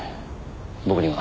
僕には。